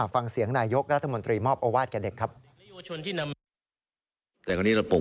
ฟังเสียงนายยกรัฐมนตรีมอบโอวาสกันเด็กครับ